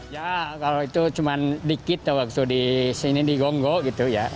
ya kalau itu cuma dikit waktu di sini di gonggo gitu ya